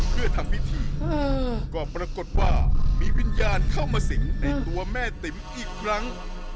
เพื่อทำพิธีก็ปรากฏว่ามีวิญญาณเข้ามาสิงในตัวแม่ติ๋มอีกครั้ง